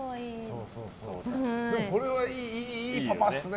これはいいパパですね。